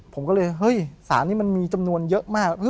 ผมก็เลยเฮ้ยสารนี้มันมีจำนวนเยอะมาก